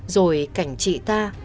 rồi cảnh chị ta